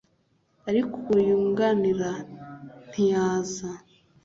ariko uwo yunganira ntiyaza